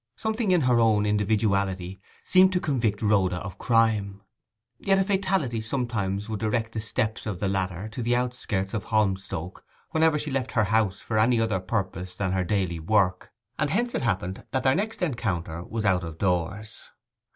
Something in her own individuality seemed to convict Rhoda of crime. Yet a fatality sometimes would direct the steps of the latter to the outskirts of Holmstoke whenever she left her house for any other purpose than her daily work; and hence it happened that their next encounter was out of doors.